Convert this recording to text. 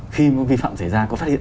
khi mà vi phạm xảy ra có phát hiện